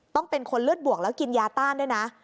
ต้องเป็นคนเลือดบวกแล้วกินยาต้านด้วยนะ